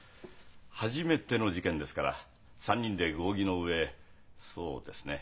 初めての事件ですから３人で合議の上そうですね